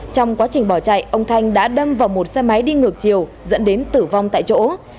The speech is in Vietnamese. trong quá trình bỏ chạy ông thanh đã đâm vào một xe máy đi ngược chiều dẫn đến tử vong tại chỗ